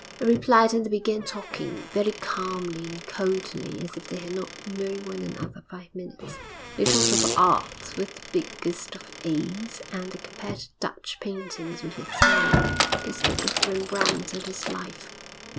He replied and they began talking, very calmly and coldly, as if they had not known one another five minutes. They talked of Art with the biggest of A's, and they compared Dutch painting with Italian; they spoke of Rembrandt and his life.